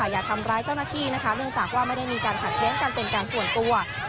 อย่าทำร้ายเจ้าหน้าที่นะคะเนื่องจากว่าไม่ได้มีการขัดเลี้ยงกันเป็นการส่วนตัว